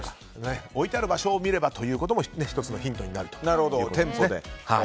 置いてある場所を見ればということも１つのヒントになるということですね。